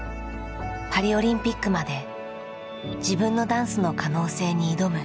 パリオリンピックまで自分のダンスの可能性に挑む。